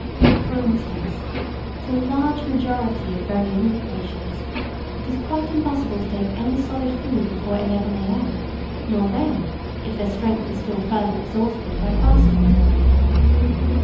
For instance, to the large majority of very weak patients it is quite impossible to take any solid food before 11 A.M., nor then, if their strength is still further exhausted by fasting till that hour.